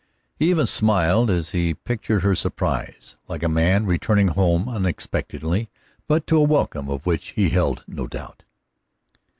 He even smiled as he pictured her surprise, like a man returning home unexpectedly, but to a welcome of which he held no doubt.